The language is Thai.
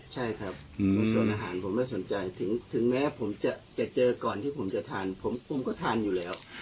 ใช่ครับส่วนอาหารผมไม่สนใจถึงแม้ผมจะเจอก่อนที่ผมจะทานผมก็ทานอยู่แล้ว